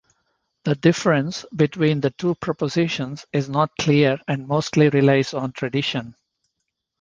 The difference between the two prepositions is not clear and mostly relies on tradition.